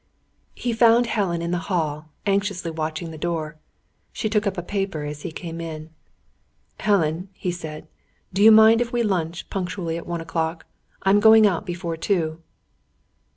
He found Helen in the hall, anxiously watching the door. She took up a paper, as he came in. "Helen," he said, "do you mind if we lunch punctually at one o'clock? I am going out before two."